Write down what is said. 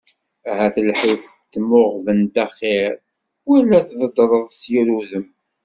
Ahat lḥif d timuɣbent axir, wala ad teddreḍ s yir udem.